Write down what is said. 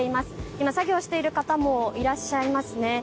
今、作業している方もいらっしゃいますね。